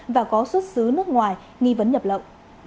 và có xuất xứ nước ngoài nghi vấn nhập lậu